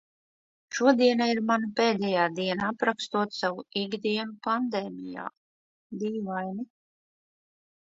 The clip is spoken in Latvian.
Šodiena ir mana pēdējā diena aprakstot savu ikdienu pandēmijā... dīvaini.